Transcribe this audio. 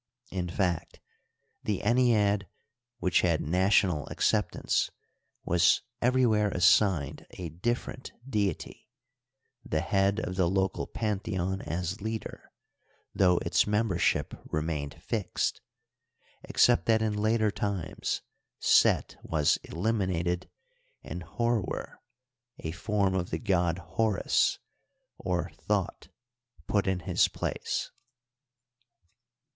In fact, the ennead, which had national ac ceptance, was everywhere assigned a different deity, the head of the local pantheon as leader, though its member ship remained fixed, except that in later times Set was eliminated, and Horwer, a form of the god Horus, or Thot, put in his place.